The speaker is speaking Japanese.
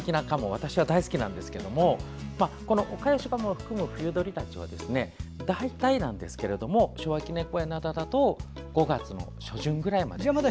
私は大好きなんですけどもオカヨシガモを含む冬鳥たちは大体なんですが昭和記念公園だと５月の初旬くらいまで。